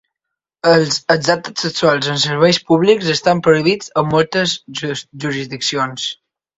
Els actes sexuals en serveis públics estan prohibits en moltes jurisdiccions.